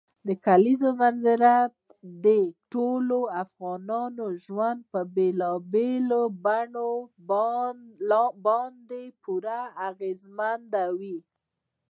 د کلیزو منظره د ټولو افغانانو ژوند په بېلابېلو بڼو باندې پوره اغېزمنوي.